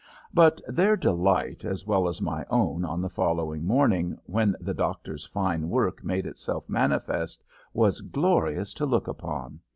But their delight as well as my own on the following morning, when the doctor's fine work made itself manifest, was glorious to look upon.